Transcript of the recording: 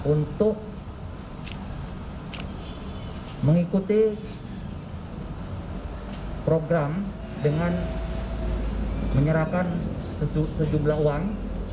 untuk mengikuti program dengan menyerahkan sejumlah uang